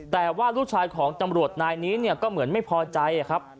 แต่ว่าลูกชายของตำรวจนายนี้เนี่ยก็เหมือนไม่พอใจครับ